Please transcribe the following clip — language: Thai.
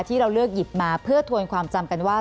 ที่เราเลือกหยิบมาเพื่อทวนความจำกันว่า